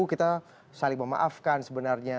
kita saling memaafkan sebenarnya